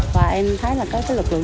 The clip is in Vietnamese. và em thấy là các lực lượng công an